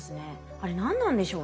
あれ何なんでしょうね？